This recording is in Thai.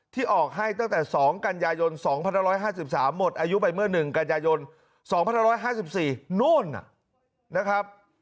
ที่ออกให้ตั้งแต่๒กันยายน๒๕๕๓หมดอายุไปเมื่อ๑กันยายน๒๑๕๔โน่นนะครับ